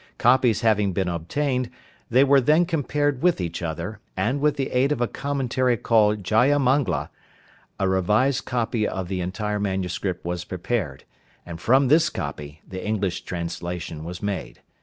Copies having been obtained, they were then compared with each other, and with the aid of a Commentary called 'Jayamangla' a revised copy of the entire manuscript was prepared, and from this copy the English translation was made.